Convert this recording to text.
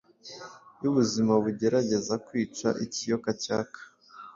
yubuzima bugerageza kwica ikiyoka cyaka